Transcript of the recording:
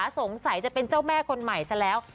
จะเป็นเจ้าแม่คนใหม่ซะแล้ว